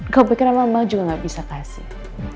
gue pikir emak emak juga gak bisa kasih